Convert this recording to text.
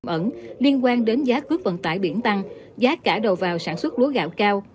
ẩn liên quan đến giá cước vận tải biển tăng giá cả đầu vào sản xuất lúa gạo cao